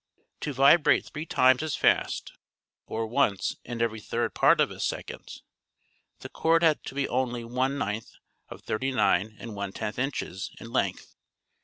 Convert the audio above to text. To vibrate three times as fast, or once in every third part of a second, the cord had to be only one ninth of 393^ inches in length.